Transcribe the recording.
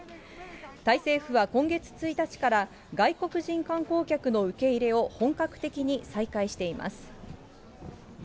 タイ政府は今月１日から、外国人観光客の受け入れを本格的に再開しています。